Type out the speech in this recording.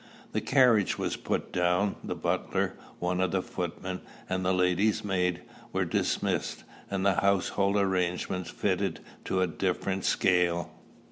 The carriage was put down, the butler, one of the footmen, and the lady's maid, were dismissed, and household arrangements fitted to a different scale.